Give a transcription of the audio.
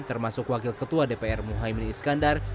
termasuk wakil ketua dpr muhaymin iskandar